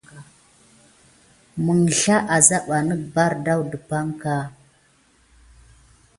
Məŋzla a zabaɓik ɓardawun ɗepanka.